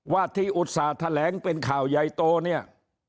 ว่าที่อุตส่าห์แถลงเป็นข่าวใหญ่โตเนี่ย